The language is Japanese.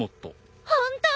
ホント！？